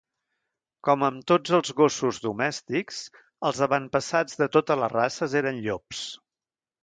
Com amb tots els gossos domèstics, els avantpassats de totes les races eren llops.